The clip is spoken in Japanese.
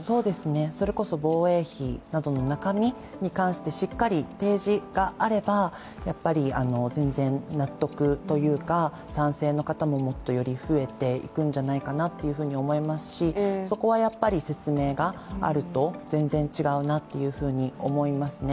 それこそ防衛費などの中身に関してしっかり提示があればやっぱり全然、納得というか、賛成の方ももっとより増えていくんじゃないかなと思いますしそこは説明があると全然違うなというふうに思いますね。